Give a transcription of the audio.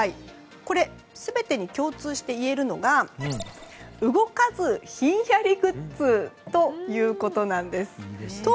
これ、全てに共通して言えるのが動かずヒンヤリグッズということなんです。